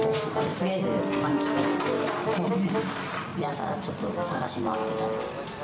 とりあえず漫喫行って、朝、ちょっと探し回ってた。